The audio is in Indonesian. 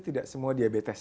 tidak semua diabetes